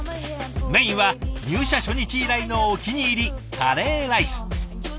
メインは入社初日以来のお気に入りカレーライス。